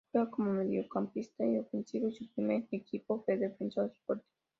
Juega como mediocampista ofensivo y su primer equipo fue Defensor Sporting.